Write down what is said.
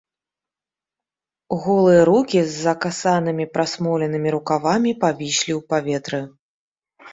Голыя рукі з закасанымі прасмоленымі рукавамі павіслі ў паветры.